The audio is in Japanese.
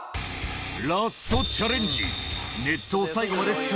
ラストチャレンジいいよ